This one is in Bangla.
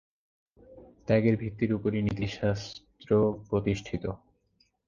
ত্যাগের ভিত্তির উপরই নীতিশাস্ত্র প্রতিষ্ঠিত।